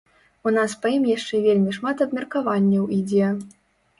У нас па ім яшчэ вельмі шмат абмеркаванняў ідзе.